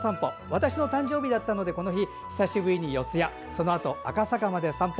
私の誕生日だったのでこの日、久しぶりに四谷そのあと赤坂まで散歩。